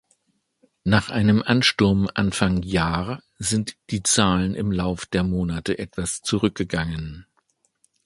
Nach einem Ansturm Anfang Jahr sind die Zahlen im Lauf der Monate etwas zurückgegangen.